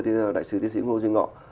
thưa đại sứ tiến sĩ ngô duy ngọ